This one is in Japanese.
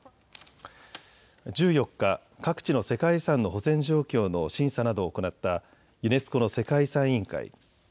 １４日、各地の世界遺産の保全状況の審査などを行ったユネスコの世界遺産委員会。